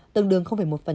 tương đương một